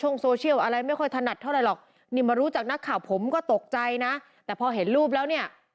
นี่มารู้จักนักข่าวผมก็ตกใจนะแต่พอเห็นรูปแล้วเนี่ย